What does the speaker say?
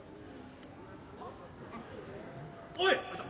おい！